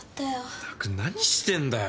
ったく何してんだよ。